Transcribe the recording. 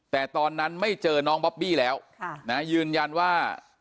แต่ตอนนั้นไม่เจอน้องบอบบี้แล้วยืนยันว่า